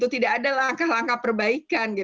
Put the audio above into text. tidak ada langkah langkah perbaikan